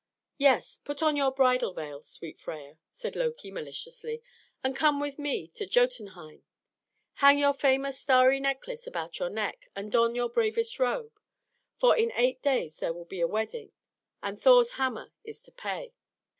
"Yes; put on your bridal veil, sweet Freia," said Loki maliciously, "and come with me to Jotunheim. Hang your famous starry necklace about your neck, and don your bravest robe; for in eight days there will be a wedding, and Thor's hammer is to pay."